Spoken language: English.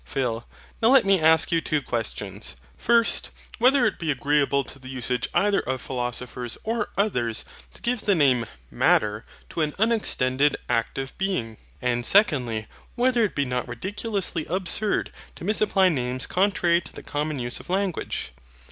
PHIL. Now let me ask you two questions: FIRST, Whether it be agreeable to the usage either of philosophers or others to give the name MATTER to an unextended active being? And, SECONDLY, Whether it be not ridiculously absurd to misapply names contrary to the common use of language?